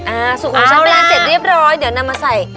อ่าสูตรของชาวไปมันเสร็จเรียบร้อยเดี่อนำมาใส่